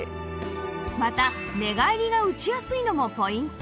また寝返りが打ちやすいのもポイント！